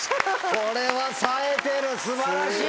これはさえてる素晴らしい！